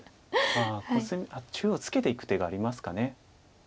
中央ツケていく手がありますか。